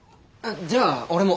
じゃあ俺も。